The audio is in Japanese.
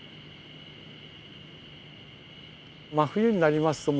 真冬になりますと